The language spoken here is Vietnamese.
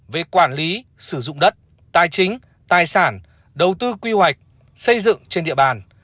về quản lý sử dụng đất tài chính tài sản đầu tư quy hoạch xây dựng trên địa bàn